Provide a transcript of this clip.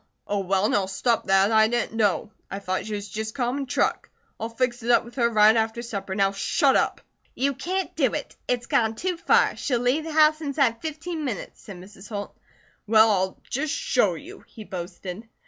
"Oh, well, now stop that. I didn't know. I thought she was just common truck. I'll fix it up with her right after supper. Now shut up." "You can't do it! It's gone too far. She'll leave the house inside fifteen minutes," said Mrs. Holt. "Well, I'll just show you," he boasted.